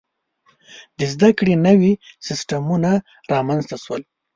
• د زده کړې نوي سیستمونه رامنځته شول.